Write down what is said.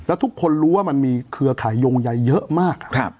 แล้วทุกคนรู้ว่ามันมีเครือขายโยงใยเยอะมากอ่ะครับ